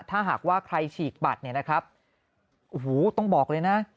ถ้าหากว่าใครฉีกบัตรต้องบอกเลยนะ